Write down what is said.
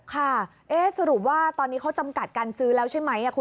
ค่ะสรุปว่าตอนนี้เขาจำกัดการซื้อแล้วใช่ไหมคุณ